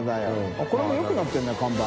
あっこれもよくなってるな看板。